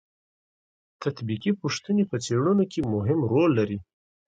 تطبیقي پوښتنې په څېړنو کې مهم رول لري.